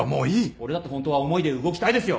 俺だってホントは思いで動きたいですよ。